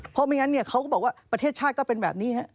เพราะไม่งั้นเขาก็บอกว่าประเทศชาติก็เป็นแบบนี้ฮะ